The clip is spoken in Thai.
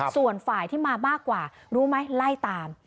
ส่วนฝ่ายที่มามากกว่ารู้ไหมไล่ตาม